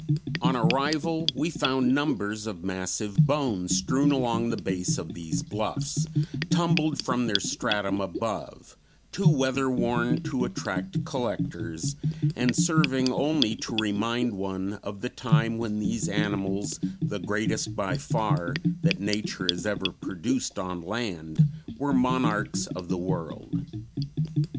On arrival, we found numbers of massive bones strewn along the base of these bluffs, tumbled from their stratum above, too weather worn to attract collectors, and serving only to remind one of the time when these animals the greatest, by far, that nature has ever produced on land were monarchs of the world.